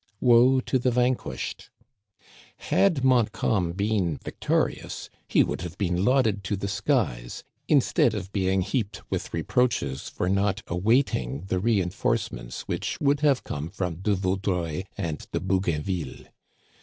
Woe to the vanquished ! Had Montcalm been vic torious he would have been lauded to the skies, instead of being heaped with reproaches for not awaiting the re enforcements which would have come from De Vau dreuil and De Bougainville.